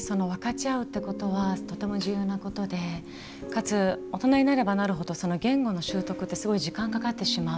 分かち合うっていうことはとても重要なことでかつ、大人になればなるほど言語の習得ってすごい時間がかかってしまう。